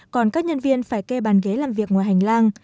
còn các nhân viên phải kê bàn ghế làm việc ngoài hành lang